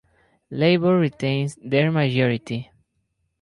Labour retains their majority.